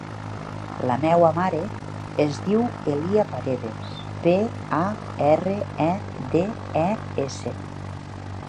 La meva mare es diu Èlia Paredes: pe, a, erra, e, de, e, essa.